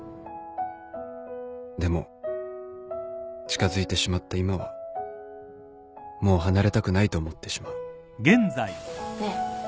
でも近づいてしまった今はもう離れたくないと思ってしまうねえ